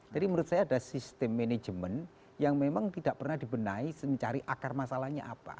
jadi menurut saya ada sistem manajemen yang memang tidak pernah dibenahi mencari akar masalahnya apa